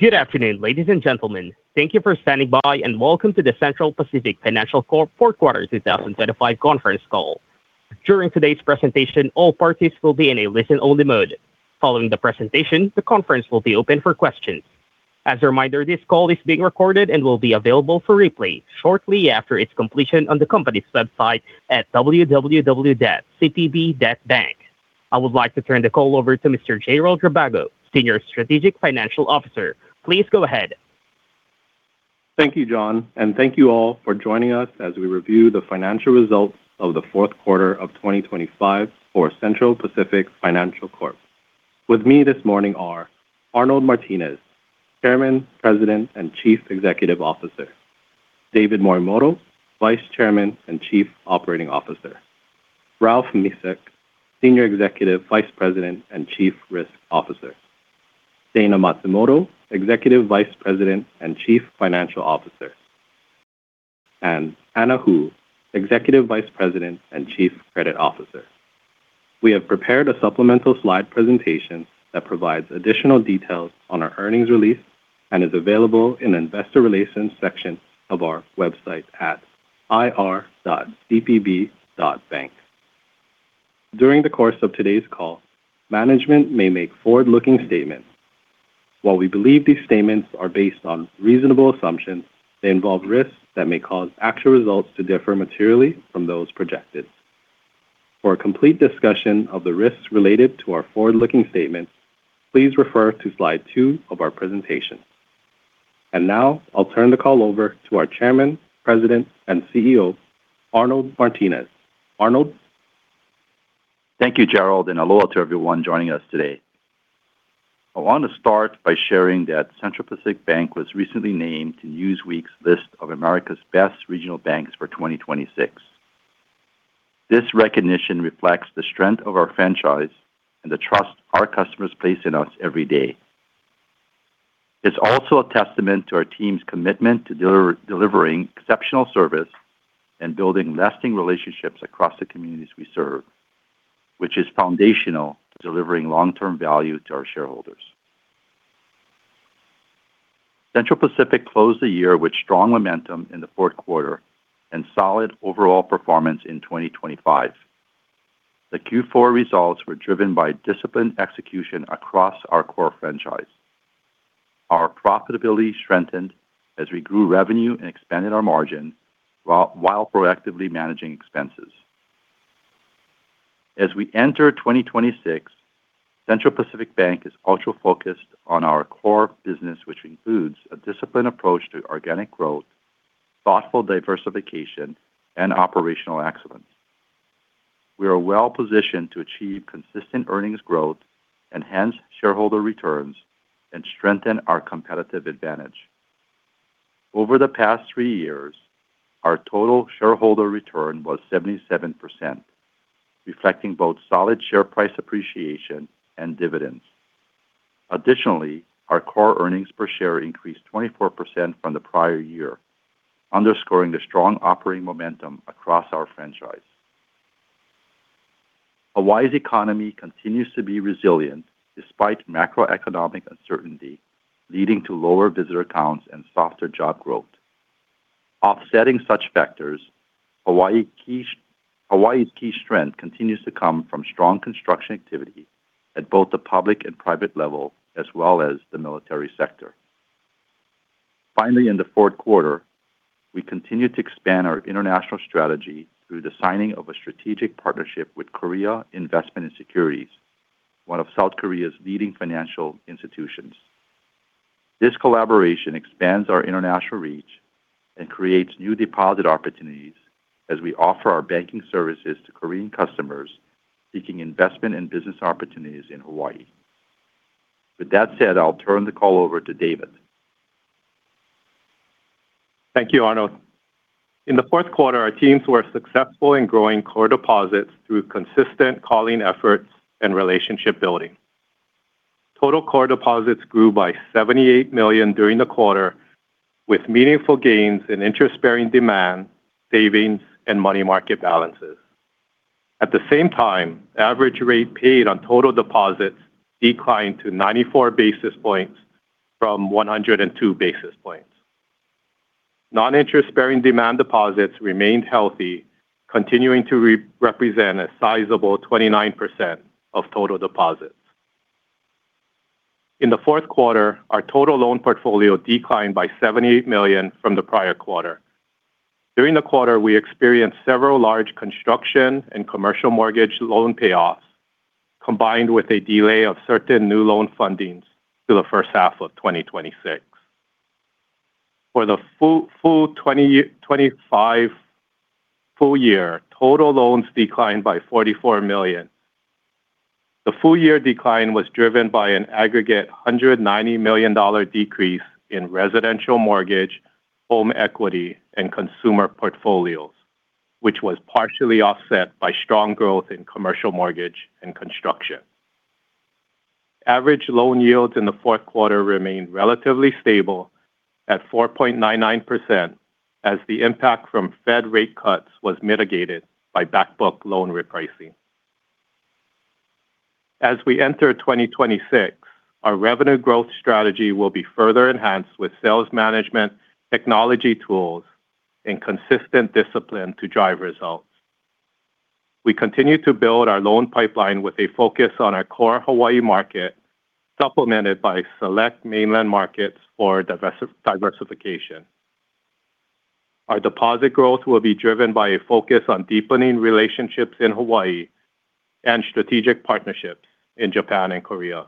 Good afternoon, ladies and gentlemen. Thank you for standing by, and welcome to the Central Pacific Financial Corp Fourth Quarter 2025 conference call. During today's presentation, all parties will be in a listen-only mode. Following the presentation, the conference will be open for questions. As a reminder, this call is being recorded and will be available for replay shortly after its completion on the company's website at www.cpb.bank. I would like to turn the call over to Mr. Jayrald Rabago, Senior Strategic Financial Officer. Please go ahead. Thank you, John, and thank you all for joining us as we review the financial results of the fourth quarter of 2025 for Central Pacific Financial Corp. With me this morning are Arnold Martines, Chairman, President, and Chief Executive Officer, David Morimoto, Vice Chairman and Chief Operating Officer, Ralph Mesick, Senior Executive Vice President and Chief Risk Officer, Dayna Matsumoto, Executive Vice President and Chief Financial Officer, and Anna Hu, Executive Vice President and Chief Credit Officer. We have prepared a supplemental slide presentation that provides additional details on our earnings release and is available in the investor relations section of our website at ir.cpb.bank. During the course of today's call, management may make forward-looking statements. While we believe these statements are based on reasonable assumptions, they involve risks that may cause actual results to differ materially from those projected. For a complete discussion of the risks related to our forward-looking statements, please refer to slide two of our presentation. And now I'll turn the call over to our chairman, president, and CEO, Arnold Martines. Arnold? Thank you, Jayrald, and aloha to everyone joining us today. I want to start by sharing that Central Pacific Bank was recently named to Newsweek's list of America's Best Regional Banks for 2026. This recognition reflects the strength of our franchise and the trust our customers place in us every day. It's also a testament to our team's commitment to delivering exceptional service and building lasting relationships across the communities we serve, which is foundational to delivering long-term value to our shareholders. Central Pacific closed the year with strong momentum in the fourth quarter and solid overall performance in 2025. The Q4 results were driven by disciplined execution across our core franchise. Our profitability strengthened as we grew revenue and expanded our margin, while proactively managing expenses. As we enter 2026, Central Pacific Bank is ultra-focused on our core business, which includes a disciplined approach to organic growth, thoughtful diversification, and operational excellence. We are well positioned to achieve consistent earnings growth, enhance shareholder returns, and strengthen our competitive advantage. Over the past 3 years, our total shareholder return was 77%, reflecting both solid share price appreciation and dividends. Additionally, our core earnings per share increased 24% from the prior year, underscoring the strong operating momentum across our franchise. Hawaii's economy continues to be resilient despite macroeconomic uncertainty, leading to lower visitor counts and softer job growth. Offsetting such factors, Hawaii's key strength continues to come from strong construction activity at both the public and private level, as well as the military sector. Finally, in the fourth quarter, we continued to expand our international strategy through the signing of a strategic partnership with Korea Investment & Securities, one of South Korea's leading financial institutions. This collaboration expands our international reach and creates new deposit opportunities as we offer our banking services to Korean customers seeking investment and business opportunities in Hawaii. With that said, I'll turn the call over to David. Thank you, Arnold. In the fourth quarter, our teams were successful in growing core deposits through consistent calling efforts and relationship building. Total core deposits grew by $78 million during the quarter, with meaningful gains in interest-bearing demand, savings, and money market balances. At the same time, average rate paid on total deposits declined to 94 basis points from 102 basis points. Non-interest-bearing demand deposits remained healthy, continuing to re-represent a sizable 29% of total deposits. In the fourth quarter, our total loan portfolio declined by $78 million from the prior quarter. During the quarter, we experienced several large construction and commercial mortgage loan payoffs, combined with a delay of certain new loan fundings to the first half of 2026. For the full, full 2025 full year, total loans declined by $44 million. The full year decline was driven by an aggregate $190 million decrease in residential mortgage, home equity, and consumer portfolios, which was partially offset by strong growth in commercial mortgage and construction. Average loan yields in the fourth quarter remained relatively stable at 4.99%, as the impact from Fed rate cuts was mitigated by back book loan repricing. As we enter 2026, our revenue growth strategy will be further enhanced with sales management, technology tools, and consistent discipline to drive results. We continue to build our loan pipeline with a focus on our core Hawaii market, supplemented by select mainland markets for diversification. Our deposit growth will be driven by a focus on deepening relationships in Hawaii and strategic partnerships in Japan and Korea.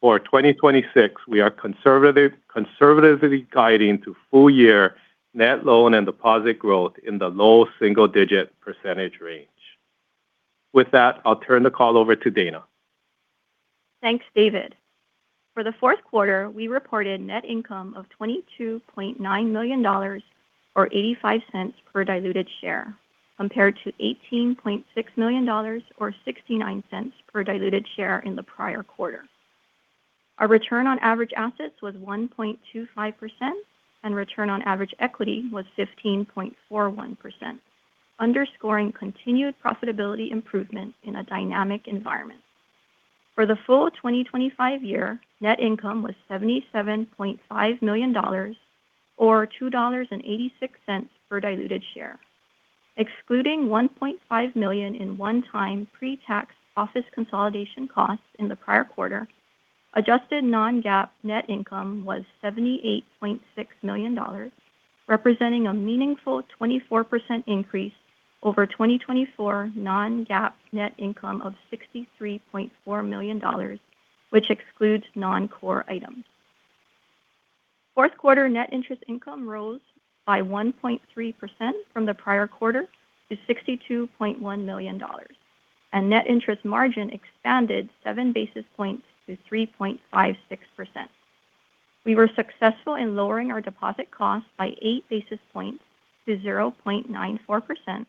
For 2026, we are conservative, conservatively guiding to full-year net loan and deposit growth in the low single-digit % range. With that, I'll turn the call over to Dayna. Thanks, David. For the fourth quarter, we reported net income of $22.9 million, or $0.85 per diluted share, compared to $18.6 million, or $0.69 per diluted share in the prior quarter. Our return on average assets was 1.25%, and return on average equity was 15.41%, underscoring continued profitability improvement in a dynamic environment. For the full 2025 year, net income was $77.5 million, or $2.86 per diluted share. Excluding $1.5 million in one-time pretax office consolidation costs in the prior quarter, adjusted non-GAAP net income was $78.6 million, representing a meaningful 24% increase over 2024 non-GAAP net income of $63.4 million, which excludes non-core items. Fourth quarter net interest income rose by 1.3% from the prior quarter to $62.1 million, and net interest margin expanded 7 basis points to 3.56%. We were successful in lowering our deposit costs by 8 basis points to 0.94%,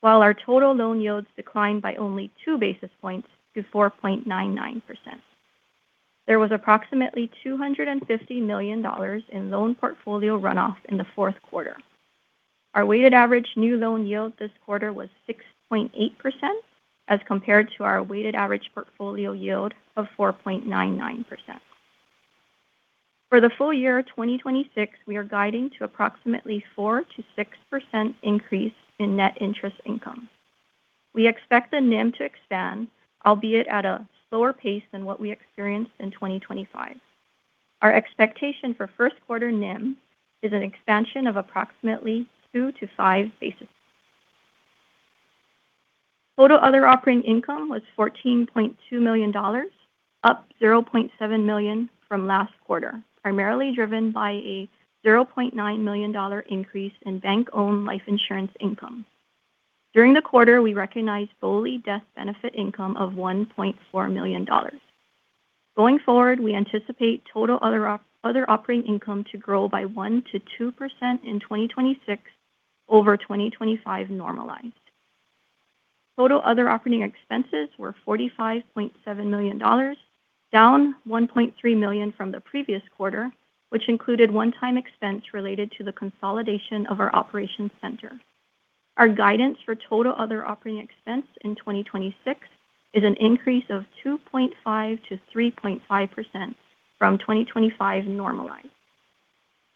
while our total loan yields declined by only 2 basis points to 4.99%. There was approximately $250 million in loan portfolio runoff in the fourth quarter. Our weighted average new loan yield this quarter was 6.8%, as compared to our weighted average portfolio yield of 4.99%. For the full year 2026, we are guiding to approximately 4% to 6% increase in net interest income. We expect the NIM to expand, albeit at a slower pace than what we experienced in 2025. Our expectation for first quarter NIM is an expansion of approximately 2 to 5 basis points. Total other operating income was $14.2 million, up $0.7 million from last quarter, primarily driven by a $0.9 million increase in bank-owned life insurance income. During the quarter, we recognized full death benefit income of $1.4 million. Going forward, we anticipate total other operating income to grow by 1% to 2% in 2026 over 2025 normalized. Total other operating expenses were $45.7 million, down $1.3 million from the previous quarter, which included one-time expense related to the consolidation of our operations center. Our guidance for total other operating expense in 2026 is an increase of 2.5% to 3.5% from 2025 normalized.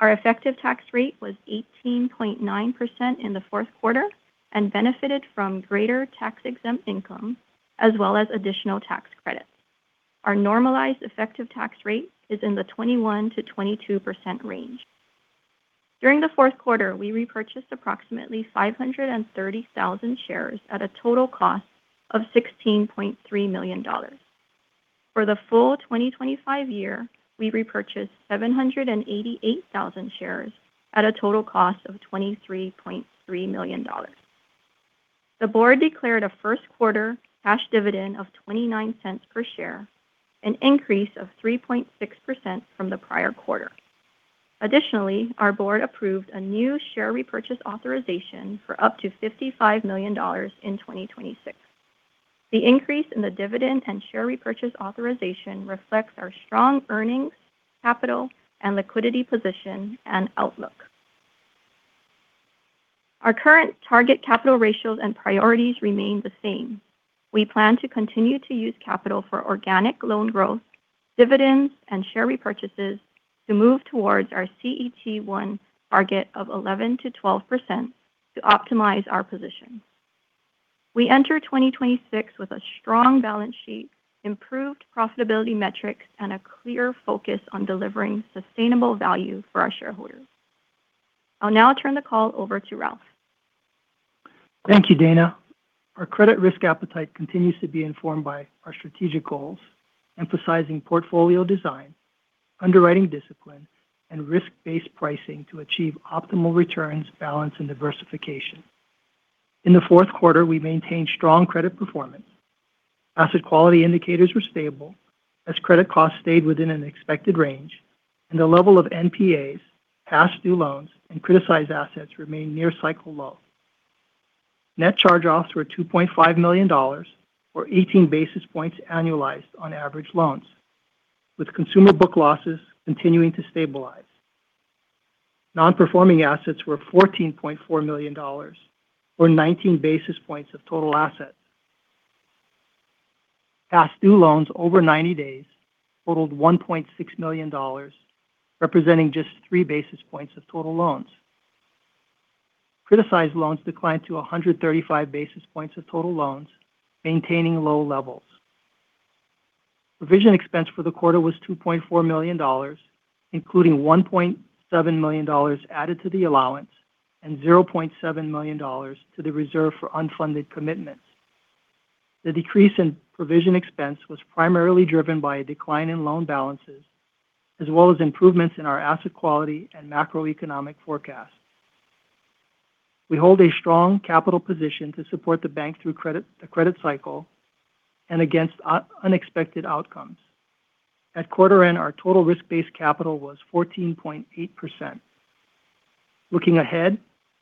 Our effective tax rate was 18.9% in the fourth quarter and benefited from greater tax-exempt income as well as additional tax credits. Our normalized effective tax rate is in the 21% to 22% range. During the fourth quarter, we repurchased approximately 530,000 shares at a total cost of $16.3 million. For the full 2025 year, we repurchased 788,000 shares at a total cost of $23.3 million. The board declared a first quarter cash dividend of $0.29 per share, an increase of 3.6% from the prior quarter. Additionally, our board approved a new share repurchase authorization for up to $55 million in 2026. The increase in the dividend and share repurchase authorization reflects our strong earnings, capital, and liquidity position and outlook. Our current target capital ratios and priorities remain the same. We plan to continue to use capital for organic loan growth, dividends, and share repurchases to move towards our CET1 target of 11% to 12% to optimize our position. We enter 2026 with a strong balance sheet, improved profitability metrics, and a clear focus on delivering sustainable value for our shareholders. I'll now turn the call over to Ralph. Thank you, Dayna. Our credit risk appetite continues to be informed by our strategic goals, emphasizing portfolio design, underwriting discipline, and risk-based pricing to achieve optimal returns, balance, and diversification. In the fourth quarter, we maintained strong credit performance. Asset quality indicators were stable as credit costs stayed within an expected range, and the level of NPAs, past due loans, and criticized assets remained near cycle low. Net charge-offs were $2.5 million, or 18 basis points annualized on average loans, with consumer book losses continuing to stabilize. Non-performing assets were $14.4 million, or 19 basis points of total assets. Past due loans over 90 days totaled $1.6 million, representing just 3 basis points of total loans. Criticized loans declined to 135 basis points of total loans, maintaining low levels. Provision expense for the quarter was $2.4 million, including $1.7 million added to the allowance and $0.7 million to the reserve for unfunded commitments. The decrease in provision expense was primarily driven by a decline in loan balances, as well as improvements in our asset quality and macroeconomic forecast. We hold a strong capital position to support the bank through the credit cycle and against unexpected outcomes. At quarter end, our total risk-based capital was 14.8%. Looking ahead,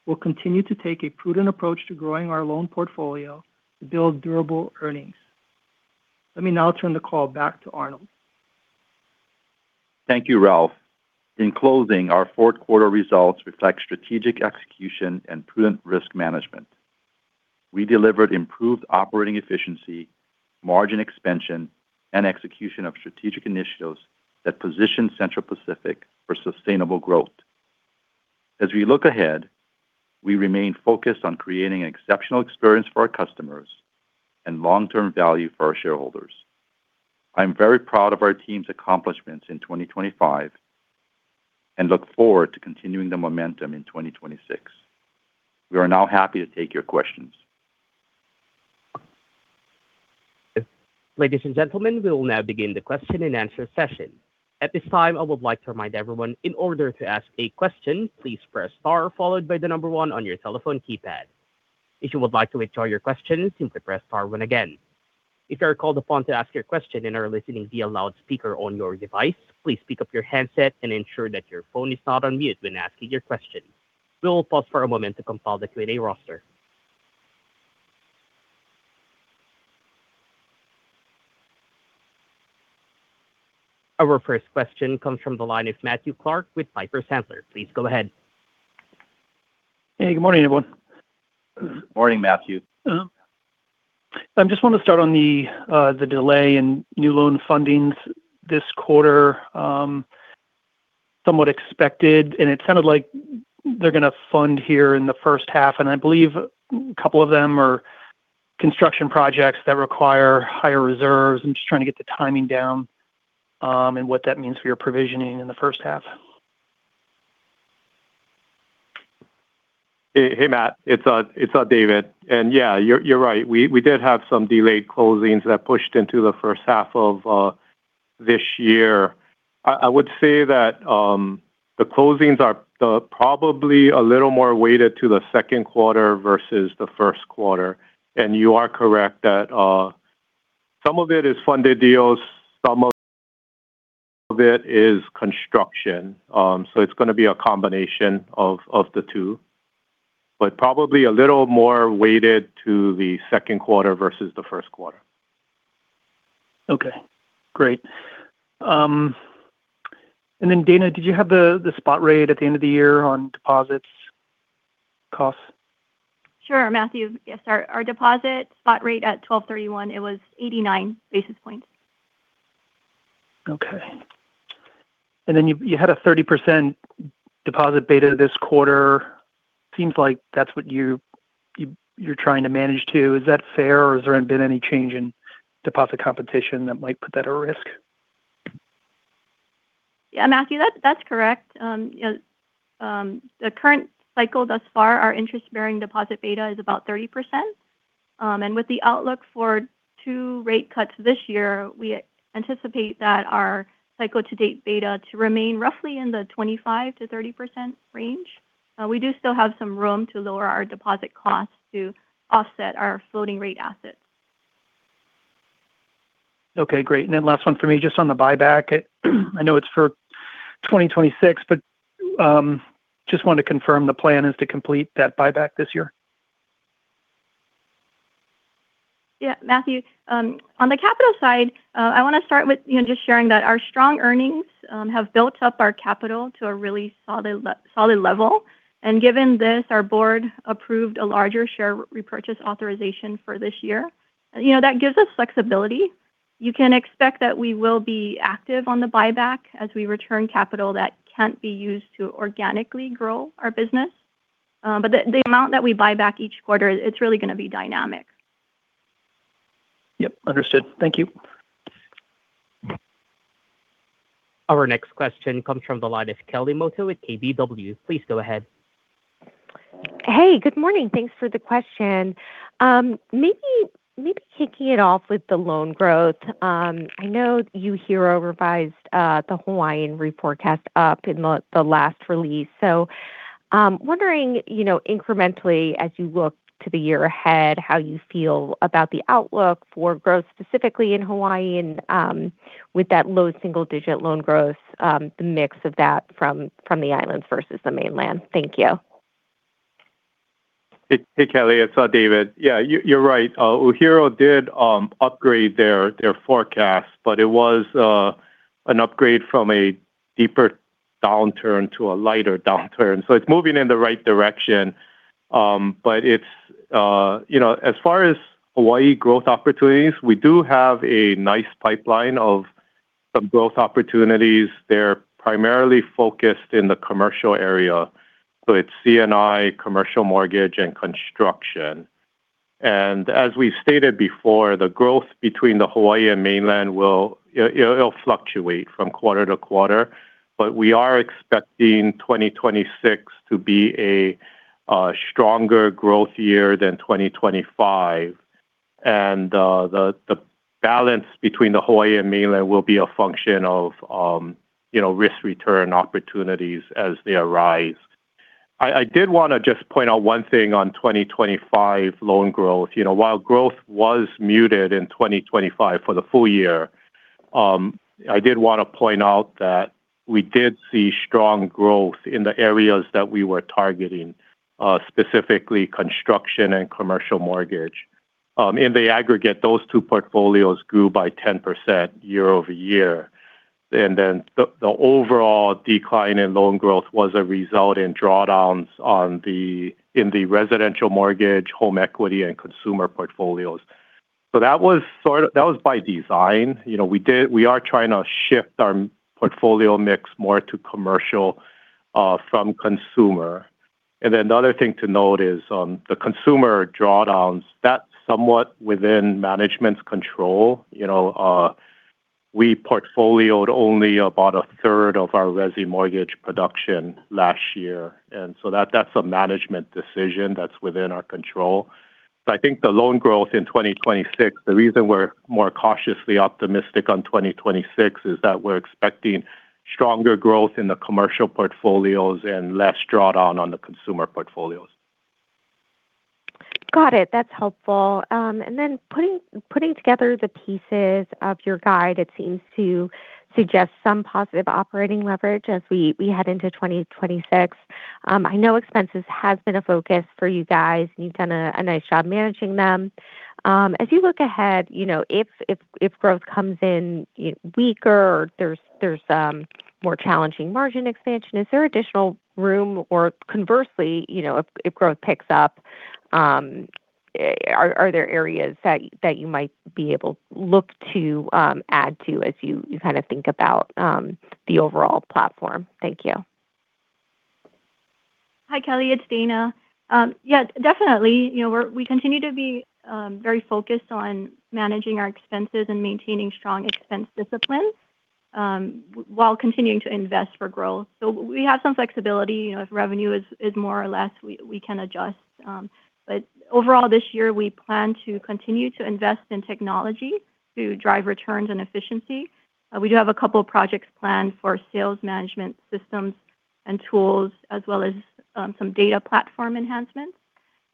we'll continue to take a prudent approach to growing our loan portfolio to build durable earnings. Let me now turn the call back to Arnold. Thank you, Ralph. In closing, our fourth quarter results reflect strategic execution and prudent risk management. We delivered improved operating efficiency, margin expansion, and execution of strategic initiatives that position Central Pacific for sustainable growth. As we look ahead, we remain focused on creating an exceptional experience for our customers and long-term value for our shareholders. I'm very proud of our team's accomplishments in 2025 and look forward to continuing the momentum in 2026. We are now happy to take your questions. Ladies and gentlemen, we will now begin the question-and-answer session. At this time, I would like to remind everyone, in order to ask a question, please press star followed by the number one on your telephone keypad. If you would like to withdraw your question, simply press star one again. If you are called upon to ask your question and are listening via loud speaker on your device, please pick up your handset and ensure that your phone is not on mute when asking your question. We will pause for a moment to compile the Q&A roster. Our first question comes from the line of Matthew Clark with Piper Sandler. Please go ahead. Hey, good morning, everyone. Morning, Matthew. I just want to start on the delay in new loan fundings this quarter. Somewhat expected, and it sounded like they're gonna fund here in the first half, and I believe a couple of them are construction projects that require higher reserves. I'm just trying to get the timing down, and what that means for your provisioning in the first half. Hey, hey, Matt, it's David. And yeah, you're right. We did have some delayed closings that pushed into the first half of this year. I would say that the closings are probably a little more weighted to the second quarter versus the first quarter. And you are correct that some of it is funded deals, some of it is construction. So it's gonna be a combination of the two, but probably a little more weighted to the second quarter versus the first quarter. Okay, great. And then, Dayna, did you have the spot rate at the end of the year on deposits costs? Sure, Matthew. Yes, our deposit spot rate at 12/31, it was 89 basis points. Okay. And then you had a 30% deposit beta this quarter. Seems like that's what you're trying to manage to. Is that fair, or has there been any change in deposit competition that might put that at risk? Yeah, Matthew, that, that's correct. The current cycle thus far, our interest-bearing deposit beta is about 30%. And with the outlook for 2 rate cuts this year, we anticipate that our cycle-to-date beta to remain roughly in the 25%-30% range. We do still have some room to lower our deposit costs to offset our floating rate assets. Okay, great. And then last one for me, just on the buyback. I know it's for 2026, but just wanted to confirm the plan is to complete that buyback this year? Yeah, Matthew, on the capital side, I want to start with, you know, just sharing that our strong earnings have built up our capital to a really solid level. And given this, our board approved a larger share repurchase authorization for this year. You know, that gives us flexibility. You can expect that we will be active on the buyback as we return capital that can't be used to organically grow our business. But the amount that we buy back each quarter, it's really going to be dynamic. Yep. Understood. Thank you. Our next question comes from the line of Kelly Motta with KBW. Please go ahead. Hey, good morning. Thanks for the question. Maybe kicking it off with the loan growth. I know you hear revised the Hawaiian forecast up in the last release. So, wondering, you know, incrementally, as you look to the year ahead, how you feel about the outlook for growth, specifically in Hawaii and, with that low single digit loan growth, the mix of that from the islands versus the mainland. Thank you. ... Hey, hey, Kelly, it's David. Yeah, you're right. UHERO did upgrade their forecast, but it was an upgrade from a deeper downturn to a lighter downturn. So it's moving in the right direction. But it's you know, as far as Hawaii growth opportunities, we do have a nice pipeline of some growth opportunities. They're primarily focused in the commercial area, so it's C&I, commercial mortgage, and construction. And as we stated before, the growth between the Hawaii and mainland will-- it'll fluctuate from quarter to quarter, but we are expecting 2026 to be a stronger growth year than 2025. And the balance between the Hawaii and mainland will be a function of you know, risk-return opportunities as they arise. I did want to just point out one thing on 2025 loan growth. You know, while growth was muted in 2025 for the full year, I did want to point out that we did see strong growth in the areas that we were targeting, specifically construction and commercial mortgage. In the aggregate, those two portfolios grew by 10% year-over-year. And then the overall decline in loan growth was a result in drawdowns on the in the residential mortgage, home equity, and consumer portfolios. So that was sort of that was by design. You know, we are trying to shift our portfolio mix more to commercial from consumer. And then another thing to note is, the consumer drawdowns, that's somewhat within management's control. You know, we portfolioed only about a third of our resi mortgage production last year, and so that, that's a management decision that's within our control. So I think the loan growth in 2026, the reason we're more cautiously optimistic on 2026 is that we're expecting stronger growth in the commercial portfolios and less drawdown on the consumer portfolios. Got it. That's helpful. And then putting together the pieces of your guide, it seems to suggest some positive operating leverage as we head into 2026. I know expenses has been a focus for you guys, and you've done a nice job managing them. As you look ahead, you know, if growth comes in weaker or there's more challenging margin expansion, is there additional room? Or conversely, you know, if growth picks up, are there areas that you might be able look to add to as you kind of think about the overall platform? Thank you. Hi, Kelly, it's Dayna. Yeah, definitely. You know, we're we continue to be very focused on managing our expenses and maintaining strong expense discipline, while continuing to invest for growth. So we have some flexibility. You know, if revenue is more or less, we can adjust. But overall, this year, we plan to continue to invest in technology to drive returns and efficiency. We do have a couple projects planned for sales management systems and tools, as well as some data platform enhancements.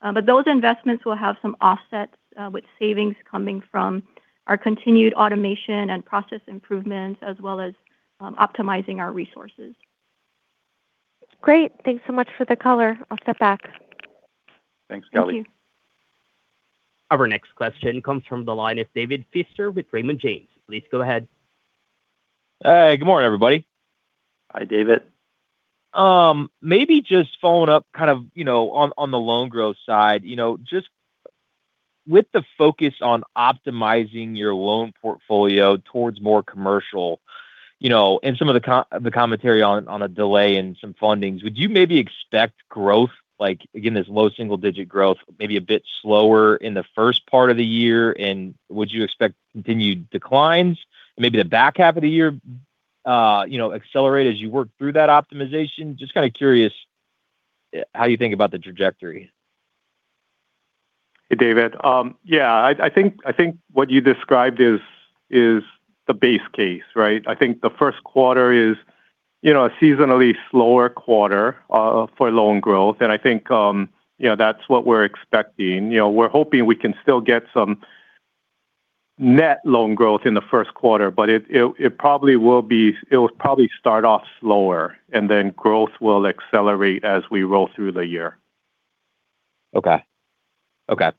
But those investments will have some offsets, with savings coming from our continued automation and process improvements, as well as optimizing our resources. Great. Thanks so much for the color. I'll step back. Thanks, Kelly. Thank you. Our next question comes from the line of David Feaster with Raymond James. Please go ahead. Good morning, everybody. Hi, David. Maybe just following up, kind of, you know, on, on the loan growth side. You know, just with the focus on optimizing your loan portfolio towards more commercial, you know, and some of the commentary on, on a delay in some fundings, would you maybe expect growth, like, again, this low single-digit growth, maybe a bit slower in the first part of the year? And would you expect continued declines, and maybe the back half of the year, you know, accelerate as you work through that optimization? Just kind of curious, how you think about the trajectory. Hey, David. Yeah, I think what you described is the base case, right? I think the first quarter is, you know, a seasonally slower quarter for loan growth, and I think, you know, that's what we're expecting. You know, we're hoping we can still get some net loan growth in the first quarter, but it probably will be, it'll probably start off slower, and then growth will accelerate as we roll through the year. Okay. Okay.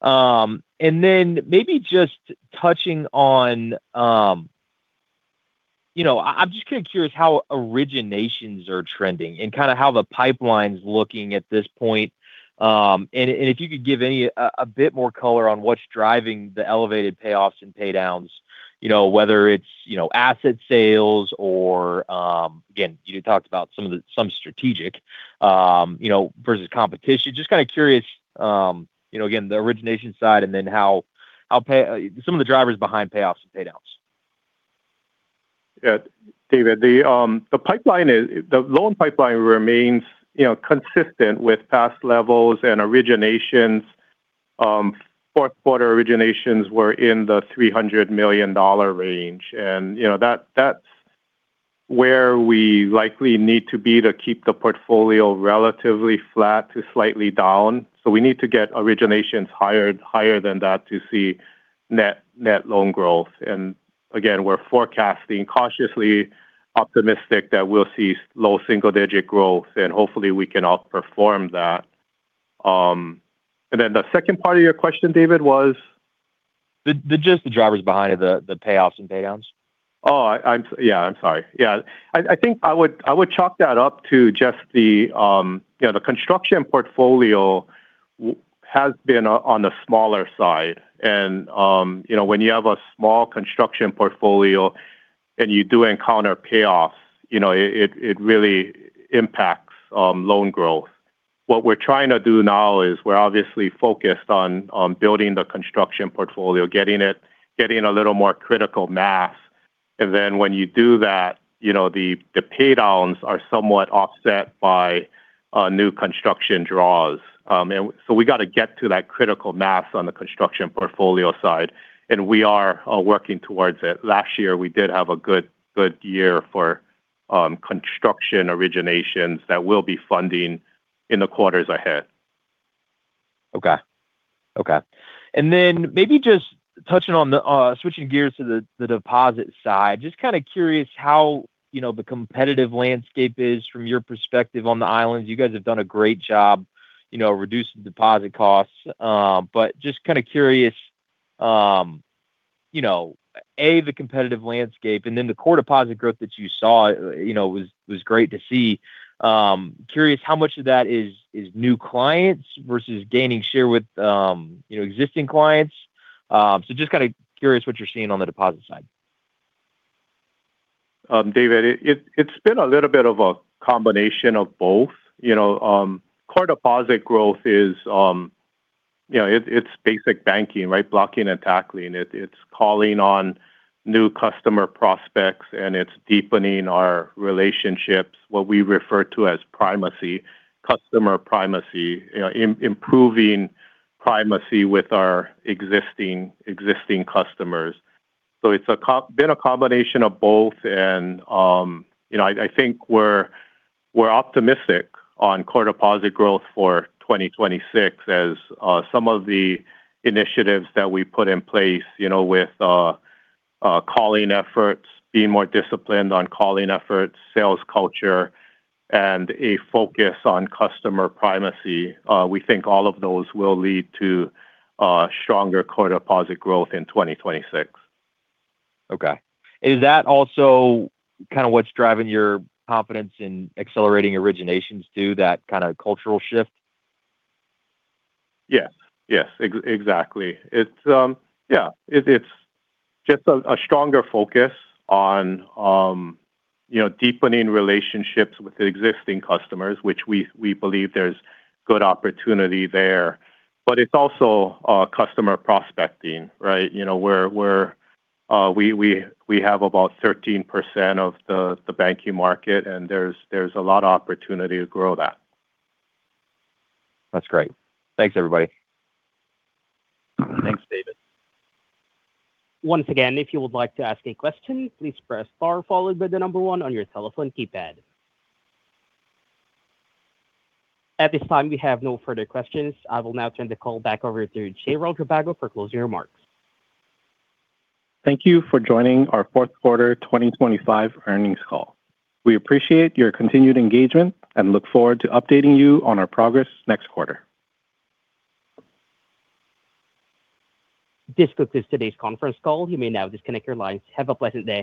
And then maybe just touching on. You know, I'm just kind of curious how originations are trending and kind of how the pipeline's looking at this point. And if you could give a bit more color on what's driving the elevated payoffs and paydowns, you know, whether it's, you know, asset sales or, again, you talked about some of the some strategic, you know, versus competition. Just kind of curious, you know, again, the origination side and then how some of the drivers behind payoffs and paydowns. Yeah, David, the pipeline is the loan pipeline remains, you know, consistent with past levels and originations. Fourth quarter originations were in the $300 million range, and, you know, that, that's where we likely need to be to keep the portfolio relatively flat to slightly down. So we need to get originations higher, higher than that to see net, net loan growth. And again, we're forecasting cautiously optimistic that we'll see low single-digit growth, and hopefully we can outperform that. And then the second part of your question, David, was? Just the drivers behind the payoffs and paydowns. Oh, I'm sorry. Yeah. I think I would chalk that up to just the, you know, the construction portfolio has been on the smaller side. And, you know, when you have a small construction portfolio and you do encounter payoffs, you know, it really impacts loan growth. What we're trying to do now is we're obviously focused on building the construction portfolio, getting it a little more critical mass. And then when you do that, you know, the paydowns are somewhat offset by new construction draws. And so we got to get to that critical mass on the construction portfolio side, and we are working towards it. Last year, we did have a good year for construction originations that we'll be funding in the quarters ahead. Okay. Okay. And then maybe just touching on the switching gears to the deposit side. Just kind of curious how, you know, the competitive landscape is from your perspective on the islands. You guys have done a great job, you know, reducing deposit costs. But just kind of curious, you know, A, the competitive landscape, and then the core deposit growth that you saw, you know, was great to see. Curious, how much of that is new clients versus gaining share with, you know, existing clients? So just kind of curious what you're seeing on the deposit side. David, it's been a little bit of a combination of both. You know, core deposit growth is, you know, it's basic banking, right? Blocking and tackling. It's calling on new customer prospects, and it's deepening our relationships, what we refer to as primacy, customer primacy. You know, improving primacy with our existing customers. So it's been a combination of both. And, you know, I think we're optimistic on core deposit growth for 2026, as some of the initiatives that we put in place, you know, with calling efforts, being more disciplined on calling efforts, sales culture, and a focus on customer primacy. We think all of those will lead to stronger core deposit growth in 2026. Okay. Is that also kind of what's driving your confidence in accelerating originations, too, that kind of cultural shift? Yes. Yes, exactly. It's... Yeah, it's just a stronger focus on, you know, deepening relationships with the existing customers, which we believe there's good opportunity there. But it's also customer prospecting, right? You know, we have about 13% of the banking market, and there's a lot of opportunity to grow that. That's great. Thanks, everybody. Thanks, David. Once again, if you would like to ask a question, please press star, followed by the number one on your telephone keypad. At this time, we have no further questions. I will now turn the call back over to Jayrald Rabago for closing remarks. Thank you for joining our fourth quarter 2025 earnings call. We appreciate your continued engagement and look forward to updating you on our progress next quarter. This concludes today's conference call. You may now disconnect your lines. Have a pleasant day.